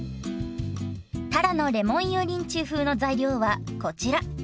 たらのレモン油淋鶏風の材料はこちら。